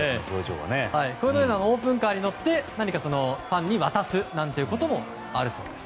オープンカーに乗って何かファンに渡すということもあるそうです。